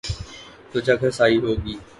تو جگ ہنسائی ہو گی۔